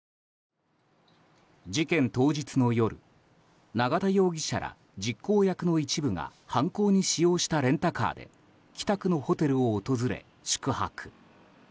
事件当日の夜永田容疑者ら実行役の一部が犯行に使用したレンタカーで北区のホテルを訪れ、宿泊。